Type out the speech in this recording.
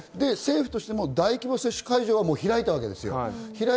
政府としても大規模接種会場を開いてるわけですよ。